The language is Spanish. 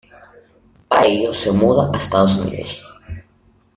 Para ello se muda a Estados Unidos.